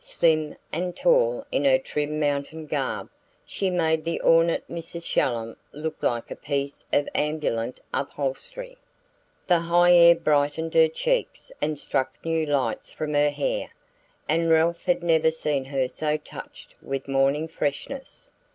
Slim and tall in her trim mountain garb, she made the ornate Mrs. Shallum look like a piece of ambulant upholstery. The high air brightened her cheeks and struck new lights from her hair, and Ralph had never seen her so touched with morning freshness.